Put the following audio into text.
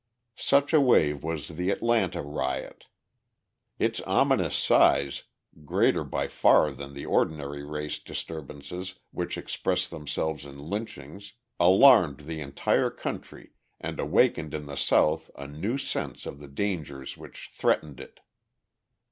Such a wave was the Atlanta riot. Its ominous size, greater by far than the ordinary race disturbances which express themselves in lynchings, alarmed the entire country and awakened in the South a new sense of the dangers which threatened it.